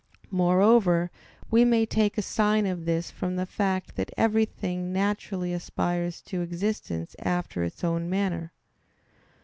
Moreover we may take a sign of this from the fact that everything naturally aspires to existence after its own manner.